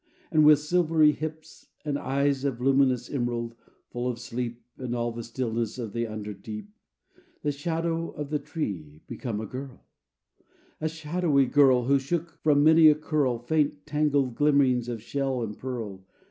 And, with silvery hips, And eyes of luminous emerald, full of sleep And all the stillness of the under deep, The shadow of the tree become a girl, A shadowy girl, who shook from many a curl Faint, tangled glimmerings of shell and pearl.